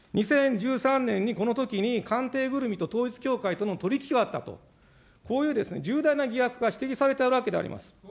２０１３年に、このときに、官邸ぐるみと統一教会との取り引きがあったと、こういう重大な疑惑が指摘されているわけであります。